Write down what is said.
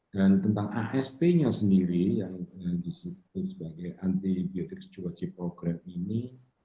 dan tentang asp nya sendiri yang disitu sebagai antibiotics chiropractic program ini